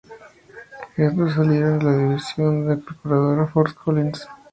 Estos salieron de la división de calculadora de Fort Collins.